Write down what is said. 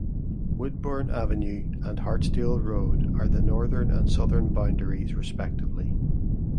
Woodbourne Avenue and Hartsdale Road are the northern and southern boundaries respectively.